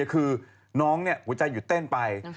คือน้องหัวใจหยุดเต้นไป